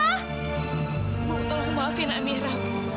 ibu tolong maafin amira